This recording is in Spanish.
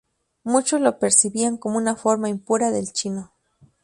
Muchos lo percibían como una 'forma impura' del chino.